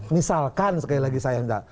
misalkan sekali lagi saya tidak